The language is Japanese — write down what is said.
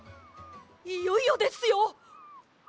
いよいよですよ！